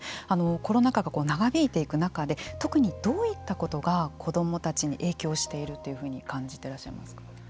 コロナ禍が長引いていく中で特にどういったことが子どもたちに影響しているというふうに感じていらっしゃいますか。